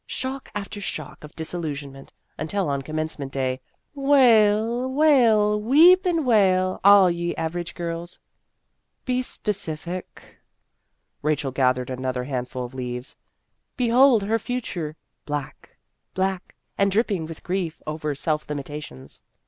Shock after shock of disillusionment, until on Commencement Day, wail, wail, weep and wail, all ye average girls." " Be specific." Rachel gathered another handful of leaves. "Behold her future black black and dripping with grief over self limitations.